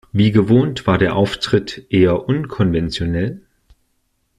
Wie gewohnt war der Auftritt eher unkonventionell.